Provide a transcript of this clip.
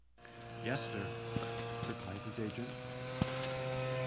Yes sir_, replied his agent.